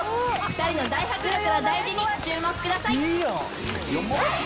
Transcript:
２ 人の大迫力な大字にご注目ください。